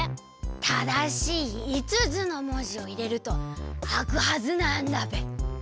ただしい５つのもじをいれるとあくはずなんだべ。